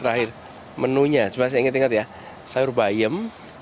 terakhir menunya sebenarnya saya ingat ingat ya sayur bayam